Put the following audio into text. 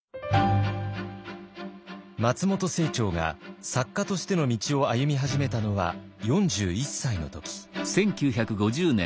松本清張が作家としての道を歩み始めたのは４１歳の時。